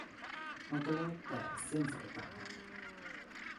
มันก็แล้วแต่เส้นสายตา